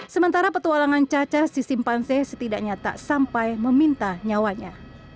sementara petualangan caca si simpanse setidaknya tak sampai meminta nyawanya